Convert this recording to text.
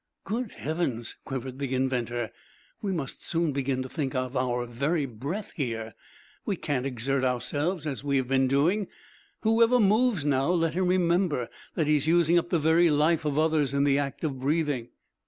"Good heavens!" quivered the inventor. "We must soon begin to think of our very breath here. We can't exert ourselves as we have been doing. Whoever moves now, let him remember that he is using up the very life of others in the act of breathing!"